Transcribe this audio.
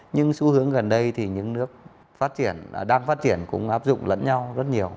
nhưng xu hướng gần đây thì những nước đang phát triển cũng áp dụng lẫn nhau rất nhiều